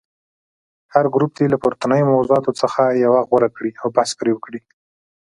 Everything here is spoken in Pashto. هر ګروپ دې له پورتنیو موضوعاتو څخه یوه غوره کړي او بحث پرې وکړي.